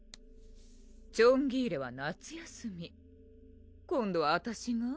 チョンギーレは夏休み今度はあたしが？